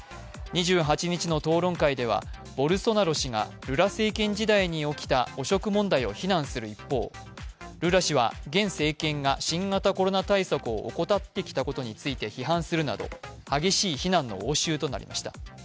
２８日の討論会ではボルソナロ氏がルラ政権時代に起きた汚職問題を非難する一方、ルラ氏は現政権が新型コロナ対策を怠ってきたことについて批判するなど、激しい非難の応酬となりました。